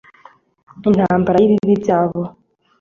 intambara n’ibibi byayo